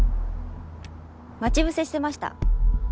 待ち伏せしてました。